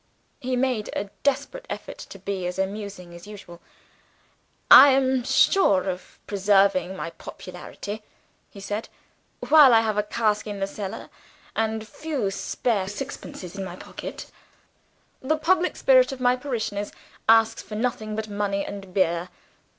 He made a desperate effort to be as amusing as usual. "I am sure of preserving my popularity," he said, "while I have a cask in the cellar, and a few spare sixpences in my pocket. The public spirit of my parishioners asks for nothing but money and beer.